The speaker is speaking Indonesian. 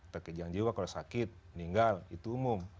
terkait dengan jiwa kalau sakit meninggal itu umum